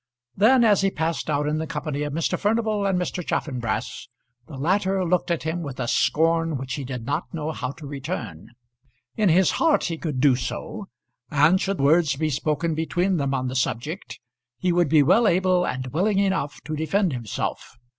Then as he passed out in the company of Mr. Furnival and Mr. Chaffanbrass, the latter looked at him with a scorn which he did not know how to return. In his heart he could do so; and should words be spoken between them on the subject, he would be well able and willing enough to defend himself.